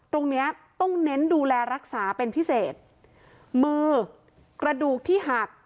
ตรงเนี้ยต้องเน้นดูแลรักษาเป็นพิเศษมือกระดูกที่หัก